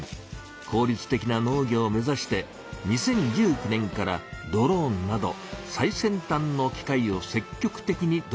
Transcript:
効率的な農業を目ざして２０１９年からドローンなど最先端の機械を積極的にどう入しています。